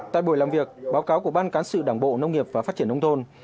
tại buổi làm việc báo cáo của ban cán sự đảng bộ nông nghiệp và phát triển nông thôn